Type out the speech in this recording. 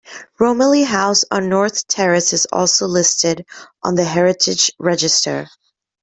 Romilly House on North Terrace is also listed on the Heritage Register.